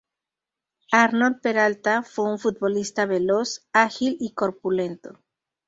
Arnold Peralta fue un futbolista veloz, ágil y corpulento.